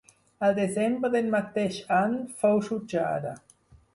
Al desembre del mateix any fou jutjada.